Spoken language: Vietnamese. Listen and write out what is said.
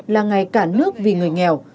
là ngày cả nước vì người nghèo